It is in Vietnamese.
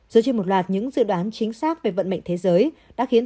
dựa trên một loạt những dự đoán chính xác về vận mệnh thế giới đã khiến